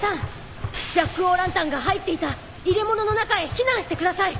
ジャックオーランタンが入っていた入れ物の中へ避難してください。